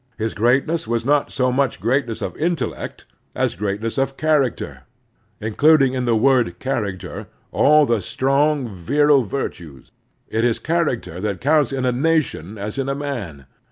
His greatness was not so much greatness of intellect as greatness of character, including in the word character" all the strong, virile virtues. It is character that counts in a nation as in a man.